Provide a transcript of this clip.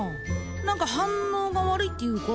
何か反応が悪いっていうか